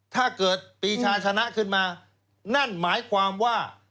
ถ้าเกิดปีชาชนะขึ้นมานั่นหมายความว่า